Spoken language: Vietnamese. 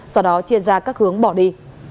sau đó chia ra các hướng bỏ đi